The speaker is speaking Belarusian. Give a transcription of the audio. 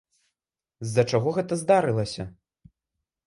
З-за чаго гэта здарылася?